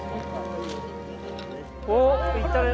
おっ行ったね！